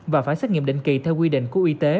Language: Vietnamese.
và phải xét nghiệm định kỳ theo quy định của y tế